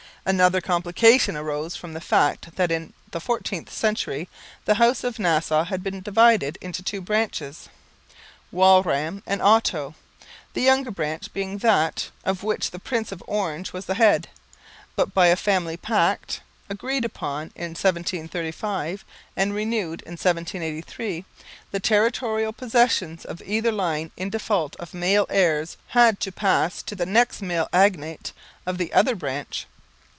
Another complication arose from the fact that in the 14th century the House of Nassau had been divided into two branches, Walram and Otto, the younger branch being that of which the Prince of Orange was the head. But by a family pact, agreed upon in 1735 and renewed in 1783, the territorial possessions of either line in default of male heirs had to pass to the next male agnate of the other branch.